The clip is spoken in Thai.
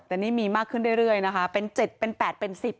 แต่นี่มีมากขึ้นเรื่อยนะคะเป็น๗เป็น๘เป็น๑๐